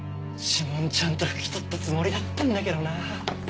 指紋ちゃんと拭き取ったつもりだったんだけどな。